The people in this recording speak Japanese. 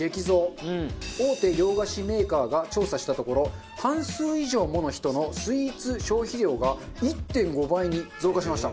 大手洋菓子メーカーが調査したところ半数以上もの人のスイーツ消費量が１．５倍に増加しました。